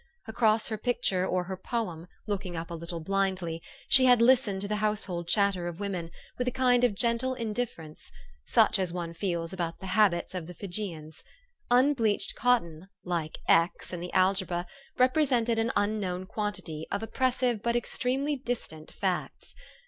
Across her picture or her poem, looking up a little blindly, she had listened to the household chatter of women, with a kind of gentle indifference, such as one feels about the habits of the Fee jeeans. Unbleached cotton, like x in the algebra, represented an unknown quantity of oppres sive but extremely distant facts.